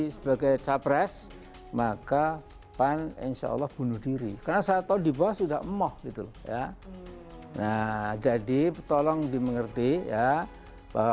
ketua dewan kehormatan partai amin rais menegaskan partainya tidak mungkin mendukung jokowi